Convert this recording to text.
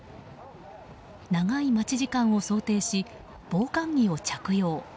長い待ち時間を想定し防寒着を着用。